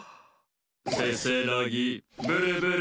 せせらぎブルブル。